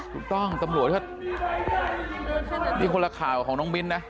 ถูกต้องตำรวจว่านี่คนละข่าวของน้องมิ้นนะ